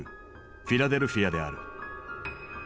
フィラデルフィアである。